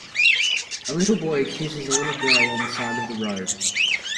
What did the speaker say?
A little boy kisses a little girl on the side of the road.